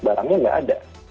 barangnya tidak ada